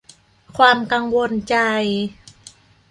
ความกังวลใจ